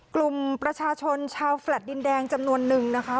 กลุ่มประชาชนชาวแฟลต์ดินแดงจำนวนนึงนะคะ